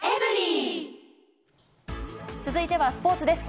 続いてはスポーツです。